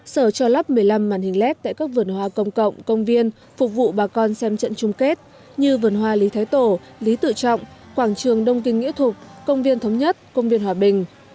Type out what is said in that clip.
sở cho lắp một mươi năm màn hình led tại các vườn hoa công cộng công viên phục vụ bà con xem trận chung kết như vườn hoa lý thái tổ lý tự trọng quảng trường đông kinh nghĩa thục công viên thống nhất công viên hòa bình